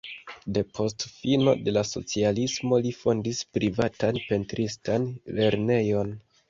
Depost fino de la socialismo li fondis privatan pentristan lernejon.